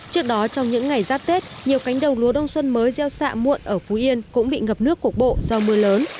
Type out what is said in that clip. trước đó trong những ngày giáp tết nhiều cánh đồng lúa đông xuân mới gieo xạ muộn ở phú yên cũng bị ngập nước cục bộ do mưa lớn